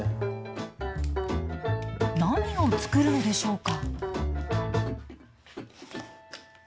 何を作るのでしょうか？